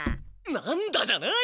なんだじゃない！